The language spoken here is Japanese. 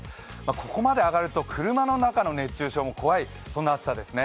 ここまで上がると車の中の熱中症も怖い、そんな暑さですね。